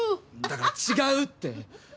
だから違うって！